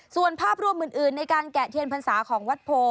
ส่วนภาพรวมอื่นในการแกะเทียนพรรษาของวัดโพ